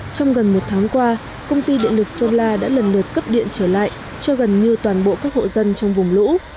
trong gần một tháng qua công ty điện lực sơn la đã lần lượt cấp điện trở lại cho gần như toàn bộ các hộ dân trong vùng lũ